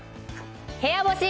部屋干し。